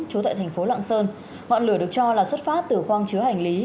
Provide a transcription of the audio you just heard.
trú tại thành phố lạng sơn ngọn lửa được cho là xuất phát từ khoang chứa hành lý